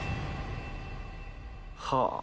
はあ。